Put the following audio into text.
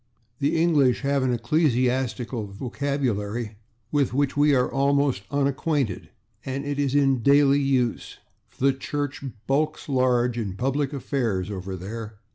The English have an ecclesiastical vocabulary with which we are almost unacquainted, and it is in daily use, for the church bulks large in public affairs over there.